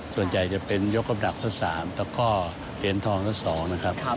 ส่วนใหญ่จะเป็นยกกำหนักท่อสามแล้วก็เหรียญทองท่อสองนะครับ